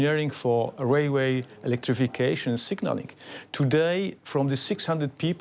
เพราะเกิดมากกว่าคนของเราและการยอมเต็ม